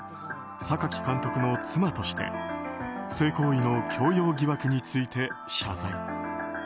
榊監督の妻として性行為の強要疑惑について謝罪。